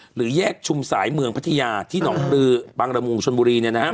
หรือแยกชุมสายเมืองพัทยาที่หนองรือบางระมูงชนบุรีเนี่ยนะครับ